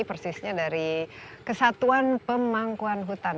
persisnya dari kesatuan pemangkuan hutan